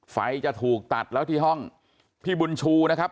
ไฟจะถูกตัดแล้วที่ห้องพี่บุญชูนะครับ